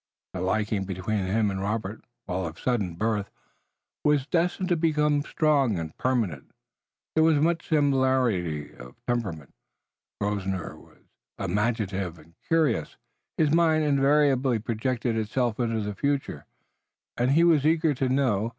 The liking between him and Robert, while of sudden birth, was destined to be strong and permanent. There was much similarity of temperament. Grosvenor also was imaginative and curious. His mind invariably projected itself into the future, and he was eager to know.